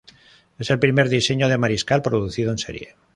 Es el primer diseño de Mariscal producido en serie.